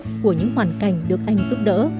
hạnh phúc của những hoàn cảnh được anh giúp đỡ